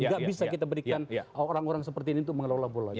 nggak bisa kita berikan orang orang seperti ini untuk mengelola bolanya